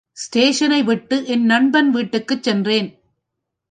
ஸ்டேஷனைவிட்டு என் நண்பன் வீட்டுக்குச் சென்றேன்.